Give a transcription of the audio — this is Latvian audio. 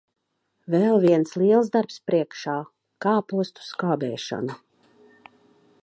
Vēl viens liels darbs priekšā - kāpostu skābēšana.